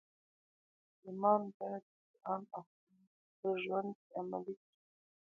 مسلمان باید د قرآن احکام په خپل ژوند کې عملی کړي.